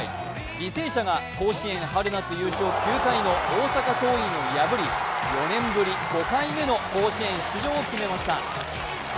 履正社が甲子園春夏優勝９回の大阪桐蔭を破り、４年ぶり５回目の甲子園出場を決めました。